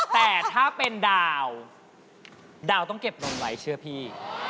แต่ถ้าเป็นดาวดาวต้องเก็บนมไว้เชื่อพี่